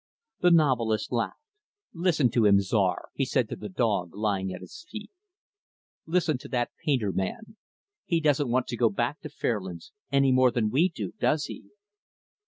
The novelist laughed. "Listen to him, Czar," he said to the dog lying at his feet, "listen to that painter man. He doesn't want to go back to Fairlands any more than we do, does he?"